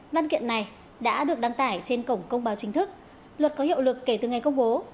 văn kiện này đã được đăng tải trên cổng công báo chính thức luật có hiệu lực kể từ ngày công bố